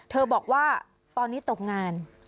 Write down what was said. บอกว่าตอนนี้ตกงาน